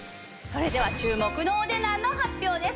それでは注目のお値段の発表です。